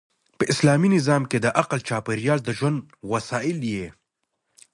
په اسلامي نظام کښي د عقل چاپېریال د ژوند وسایل يي.